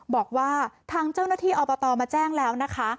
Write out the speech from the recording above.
บอกว่าทางเจ้าหน้าที่อบตมาแจ้งแล้วนะคะ